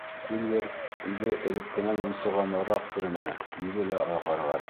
Сильвер үҙе элеккенән йонсоғаныраҡ күренә, йөҙө лә ағарған.